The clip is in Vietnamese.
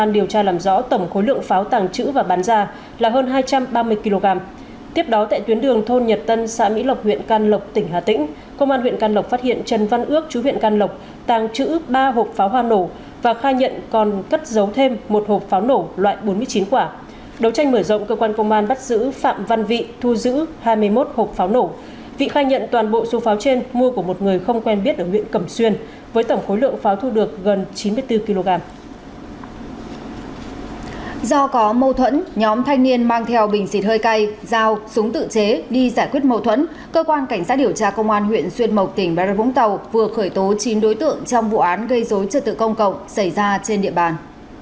do có mâu thuẫn nhóm thanh niên mang theo bình xịt hơi cay dao súng tự chế đi giải quyết mâu thuẫn cơ quan cảnh sát điều tra công an huyện xuyên mộc tỉnh bà rất vũng tàu vừa khởi tố chín đối tượng trong vụ án gây dối trật tự công cộng xảy ra trên địa bàn